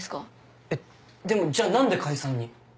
えでもじゃあ何で解散に？